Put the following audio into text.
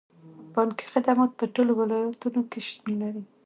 بانکي خدمات په ټولو ولایتونو کې شتون لري.